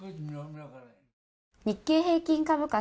日経平均株価